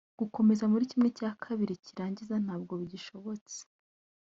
Gukomeza mur ½ cy’irangiza ntabwo bigishobotse